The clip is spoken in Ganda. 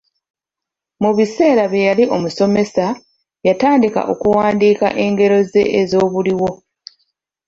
Mu biseera bye yali omusomesa, yatandika okuwandika engero ze ez'obuliwo